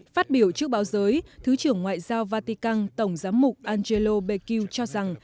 phát biểu trước báo giới thứ trưởng ngoại giao vatican tổng giám mục angelo bekiu cho rằng